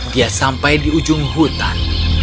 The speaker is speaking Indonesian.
dia sampai di ujung hutan